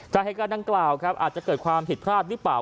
พ่อเฮ๊กกาดังเกล่าอาจจะเกิดความผิดพลาดรึเปล่า